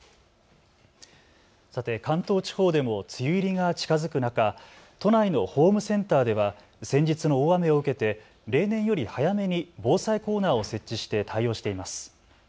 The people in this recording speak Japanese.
さて関東地方でも梅雨入りが近づく中、都内のホームセンターでは先日の大雨を受けて例年より早めに防災コーナーを設置して対応しています。